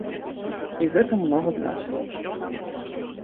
І гэта многа значыць.